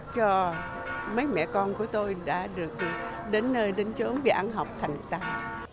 cho mấy mẹ con của tôi đã được đến nơi đến chỗ về ăn học thành tăng